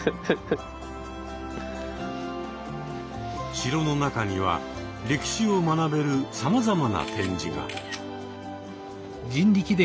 城の中には歴史を学べるさまざまな展示が。